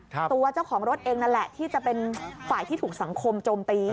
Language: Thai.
ตัวเจ้าของรถเองนั่นแหละที่จะเป็นฝ่ายที่ถูกสังคมโจมตี